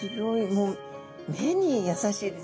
もう目に優しいです